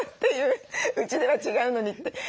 うちでは違うのにって。